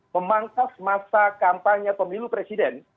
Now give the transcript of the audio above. memangkas masa kampanye pemilu presiden